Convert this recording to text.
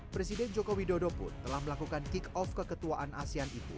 presiden joko widodo pun telah melakukan kick off keketuaan asean itu